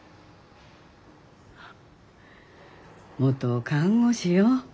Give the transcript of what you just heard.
元看護師よ。